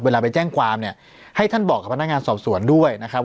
ไปแจ้งความเนี่ยให้ท่านบอกกับพนักงานสอบสวนด้วยนะครับ